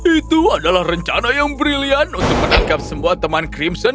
itu adalah rencana yang brilian untuk menangkap semua teman crimson